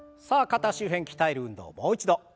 さあ肩周辺鍛える運動もう一度。